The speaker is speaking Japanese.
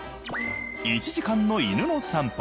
１時間の犬の散歩。